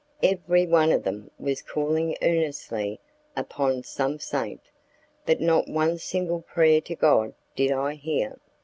Every one of them was calling earnestly upon some saint, but not one single prayer to God did I hear.